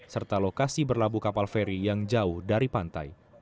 serta lokasi berlabuh kapal feri yang jauh dari pantai